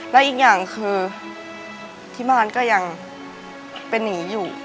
และอีกอย่างคือที่บ้านก็ยังเป็นอย่างนี้อยู่